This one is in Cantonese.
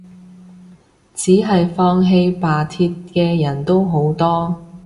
只係放棄罷鐵嘅人都多